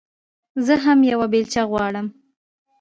زه هم يوه بېلچه غواړم.